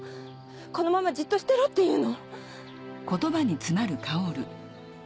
このままじっとしてろっていうの？